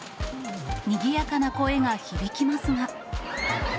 にぎやかな声が響きますが。